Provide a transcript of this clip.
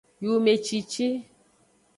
Yumecici.